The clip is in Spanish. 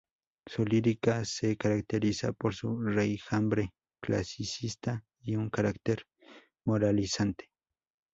Su lírica se caracteriza por su raigambre clasicista y un carácter moralizante.